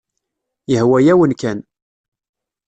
Yehwa-yawen kan.